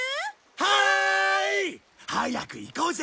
はーい！早く行こうぜ。